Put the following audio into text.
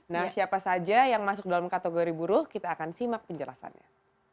nah siapa saja yang masuk dalam kategori buruh kita akan simak penjelasannya